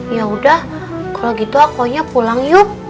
ya udah kalau gitu akunya pulang yuk